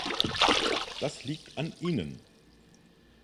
Das liegt an Ihnen.